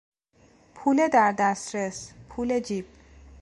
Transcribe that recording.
پول در دسترس، پول جیب